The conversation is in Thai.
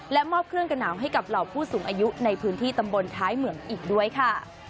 และมอบเครื่องกระหนาวให้กับเหล่าผู้สูงอายุในพื้นที่ตำบลท้ายเหมืองอีกด้วยค่ะ